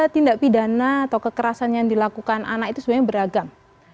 tindak pidana atau kekerasan yang dilakukan anak itu sebenarnya beragam